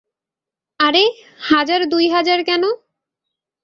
আরে, হাজার দুই হাজার কেন?